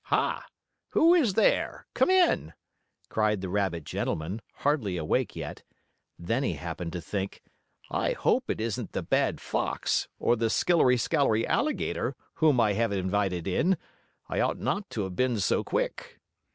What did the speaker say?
"Ha! Who is there? Come in!" cried the rabbit gentleman, hardly awake yet. Then he happened to think: "I hope it isn't the bad fox, or the skillery scalery alligator, whom I have invited in. I ought not to have been so quick."